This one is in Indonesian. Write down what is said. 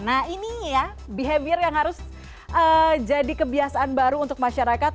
nah ini ya behavior yang harus jadi kebiasaan baru untuk masyarakat